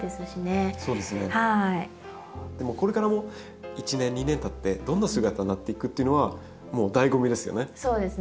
でもこれからも１年２年たってどんな姿になっていくっていうのはもう醍醐味ですよね。